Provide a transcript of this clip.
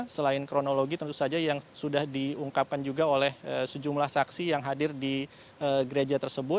selain kronologi tentu saja yang sudah diungkapkan juga oleh sejumlah saksi yang hadir di gereja tersebut